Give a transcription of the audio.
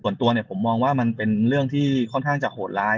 ส่วนตัวเนี่ยผมมองว่ามันเป็นเรื่องที่ค่อนข้างจะโหดร้าย